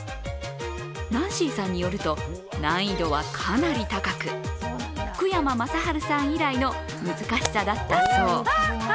ナンシーさんによると難易度はかなり高く福山雅治さん以来の難しさだったそう。